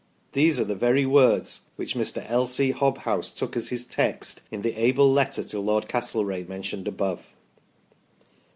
These are the very words which Mr. L. C. Hob house took as his text in the able letter to Lord Castlereagh mentioned above.